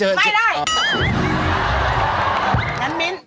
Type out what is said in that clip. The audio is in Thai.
วันนี้เล่นเกมกับพี่อีกนึง